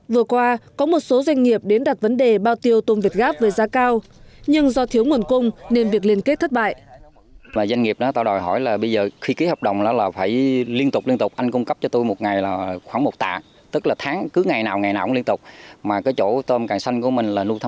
vừa qua có một số doanh nghiệp đến đặt vấn đề bao tiêu tôm việt gáp với giá cao nhưng do thiếu nguồn cung nên việc liên kết thất bại